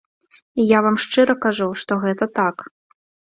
І я вам шчыра кажу, што гэта так.